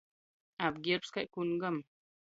Apgierbs kai kungam.